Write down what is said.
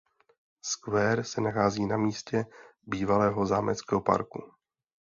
Square se nachází na místě bývalého zámeckého parku.